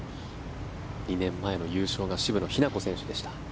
２年前の優勝が渋野日向子選手でした。